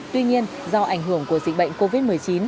tuy nhiên do ảnh hưởng của dịch bệnh covid một mươi chín